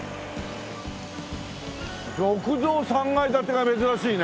木造３階建てが珍しいね。